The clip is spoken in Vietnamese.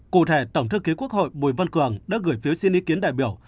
cụ thể tổng thư ký quốc hội bùi văn cường đã gửi phiếu xin ý kiến đại biểu